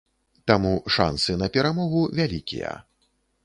Таму шансы на перамогу вялікія.